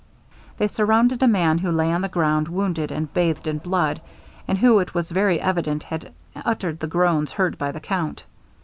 They surrounded a man who lay on the ground wounded, and bathed in blood, and who it was very evident had uttered the groans heard by the count.